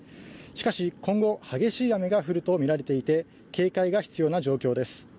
しかし、今後激しい雨が降るとみられていて、警戒が必要な状況です。